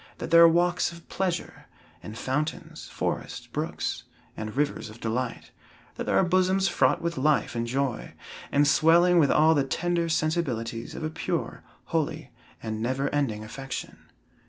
That there are walks of pleasure, and fountains, forests, brooks, and rivers of delight; that there are bosoms fraught with life and joy, and swelling with all the tender sensibilities of a pure, holy and never ending affection.